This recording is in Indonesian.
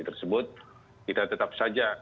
tersebut kita tetap saja